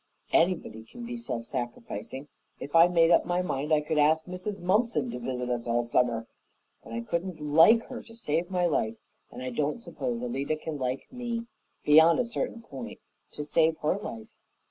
Anybody can be self sacrificing. If I made up my mind, I could ask Mrs. Mumpson to visit us all summer, but I couldn't like her to save my life, and I don't suppose Alida can like me, beyond a certain point, to save her life.